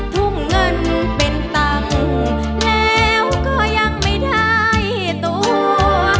ทุ่มเงินเป็นตังค์แล้วก็ยังไม่ได้ตัว